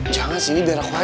jangan sih ini biar aku aja